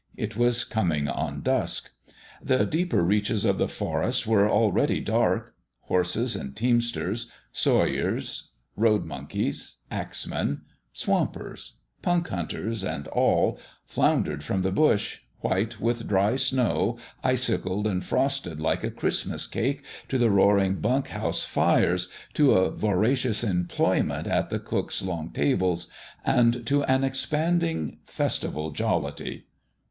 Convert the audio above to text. It was coming on dusk. The deeper reaches of the forest were already dark. Horses and teamsters, saw yers, road monkeys, axemen, swampers, punk hunters and all, floundered from the bush, white with dry snow, icicled and frosted like a Christ mas cake, to the roaring bunk house fires, to a voracious employment at the cooks' long tables, and to an expanding festival jollity.